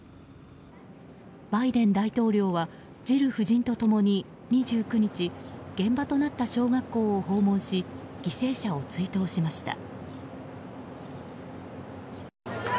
バイデン大統領はジル夫人と共に２９日現場となった小学校を訪問し犠牲者を追悼しました。